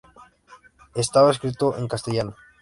Estaba escrito en castellano.